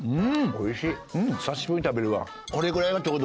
おいしい。